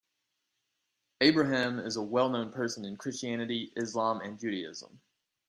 Abraham is a well known person in Christianity, Islam and Judaism.